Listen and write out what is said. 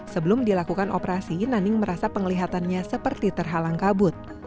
sebelum dilakukan operasi nanning merasa penglihatannya seperti terhalang kabut